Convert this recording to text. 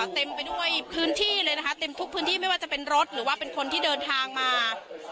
เต็มไปด้วยพื้นที่ไม่ว่าจะเป็นรถหรือคนที่เดินทางมา